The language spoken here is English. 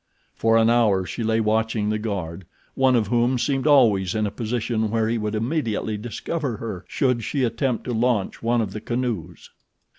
For an hour she lay watching the guard, one of whom seemed always in a position where he would immediately discover her should she attempt to launch one of the canoes.